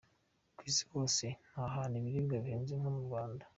ku isi hose nta hantu ibiribwa bihenze nko mu Rwanda.